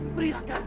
beri akar tadi